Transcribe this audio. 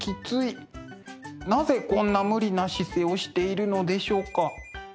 なぜこんな無理な姿勢をしているのでしょうか？